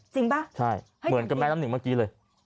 ป่ะใช่เหมือนกับแม่น้ำหนึ่งเมื่อกี้เลย